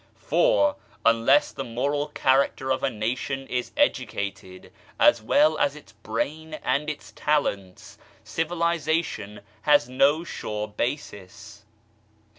For, unless the moral character of a nation is educated, as well as its brain and its talents, civiliza tion has no sure basis.